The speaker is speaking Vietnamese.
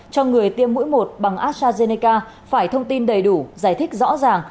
cho người tiêm mũi một bằng astrazeneca phải thông tin đầy đủ giải thích rõ ràng